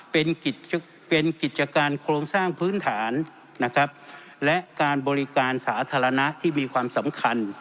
เป็นกิจเป็นกิจการโครงสร้างพื้นฐานนะครับและการบริการสาธารณะที่มีความสำคัญ